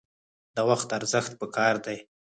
د وخت ارزښت پکار دی